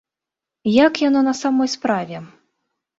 Як яно на самой справе?